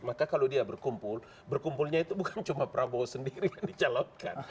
maka kalau dia berkumpul berkumpulnya itu bukan cuma prabowo sendiri yang dicalonkan